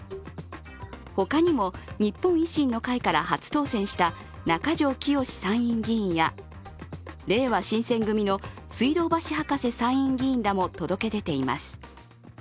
他にも、日本維新の会から初当選した中条きよし参院議員やれいわ新選組の水道橋博士参院議員らも届け出ています。